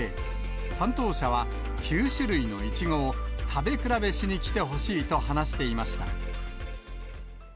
担当者は９種類のいちごを食べ比べしに来てほしいと話していました。